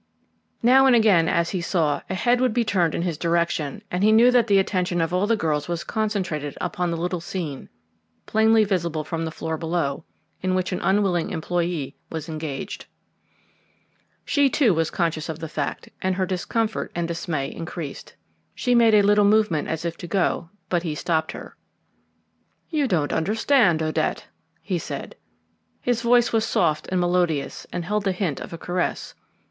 Now and again, as he saw, a head would be turned in his direction, and he knew that the attention of all the girls was concentrated upon the little scene, plainly visible from the floor below, in which an unwilling employee was engaged. She, too, was conscious of the fact, and her discomfort and dismay increased. She made a little movement as if to go, but he stopped her. "You don't understand, Odette," he said. His voice was soft and melodious, and held the hint of a caress.